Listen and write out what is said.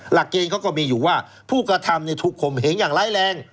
หลักเกณฑ์เขาก็มีอยู่ว่าผู้กระทำถูกคมเหงอย่างร้ายแรง